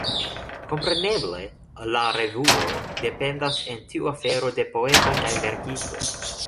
Kompreneble, la revuo dependas en tiu afero de poetoj kaj verkistoj.